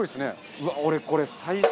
うわっ俺これ最初。